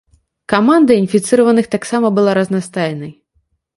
Каманда інфіцыраваных таксама была разнастайнай.